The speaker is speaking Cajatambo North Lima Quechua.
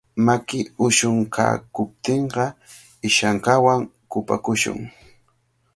Maki ushunkaakuptinqa ishankawan kupakushun.